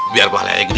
biar pahalanya gede